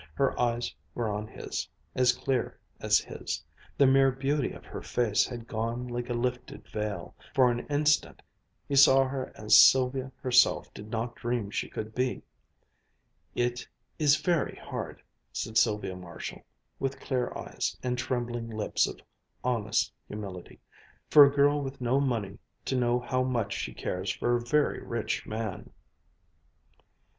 Her eyes were on his, as clear as his. The mere beauty of her face had gone like a lifted veil. For a instant he saw her as Sylvia herself did not dream she could be. "It is very hard," said Sylvia Marshall, with clear eyes and trembling lips of honest humility, "for a girl with no money to know how much she cares for a very rich man."